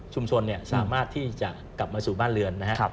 ชุมชนเนี่ยสามารถที่จะกลับมาสู่บ้านเรือนนะครับ